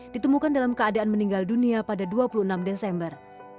ditemukan dalam keadaan meninggal dunia pada dua puluh enam desember